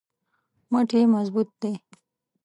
مټ یې مضبوط دی.